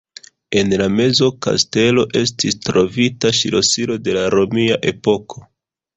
En la mezepoka kastelo estis trovita ŝlosilo de la romia epoko.